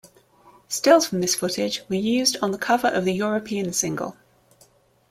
Stills from this footage were used on the cover of the European single.